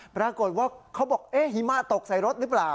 ปรากฏว่าเขาบอกเอ๊ะหิมะตกใส่รถหรือเปล่า